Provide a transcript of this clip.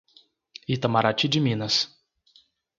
Itamarati de Minas